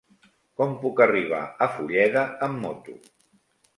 Com puc arribar a Fulleda amb moto?